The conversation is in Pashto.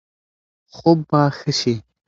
خوب به ښه شي.